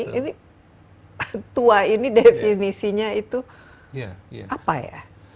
jadi tua ini definisinya itu apa ya